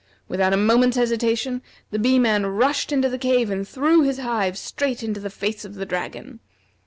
Without a moment's hesitation, the Bee man rushed into the cave and threw his hive straight into the face of the dragon.